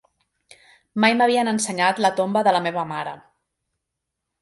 Mai m'havien ensenyat la tomba de la meva mare.